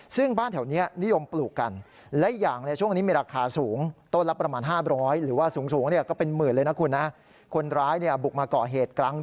ซึ่งบ้านแถวนี้นิยมปลูกกัน